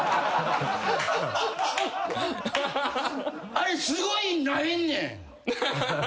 あれすごいなえんねん。